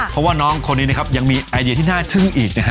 เพราะว่าน้องคนนี้นะครับยังมีไอเดียที่น่าทึ่งอีกนะฮะ